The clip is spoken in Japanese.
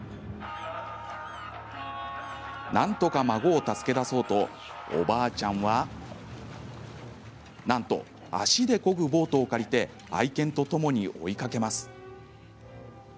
なんとか孫を助け出そうとおばあちゃんはなんと足でこぐボートを借りて愛犬とともに追いかけます。